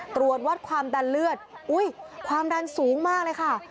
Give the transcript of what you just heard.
ตรวจวัดความดันเลือดอุ้ยความดันสูงมากเลยค่ะ